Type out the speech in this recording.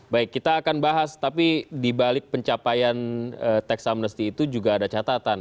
baik kita akan bahas tapi dibalik pencapaian tax amnesty itu juga ada catatan